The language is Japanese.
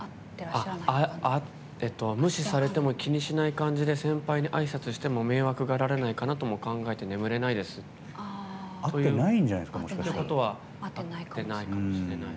無視されても気にしない感じで先輩にあいさつしても迷惑がられないかなとも考えて眠れないですということは会ってないかもしれない。